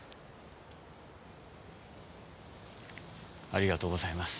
ありがとうございます。